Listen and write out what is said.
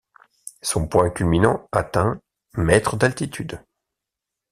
Son point culminant atteint mètres d'altitude.